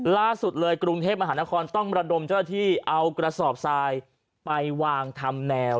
ล่าสุดเลยกรุงเทพมหานครต้องระดมเจ้าหน้าที่เอากระสอบทรายไปวางทำแนว